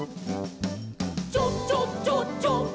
「チョチョチョチョ」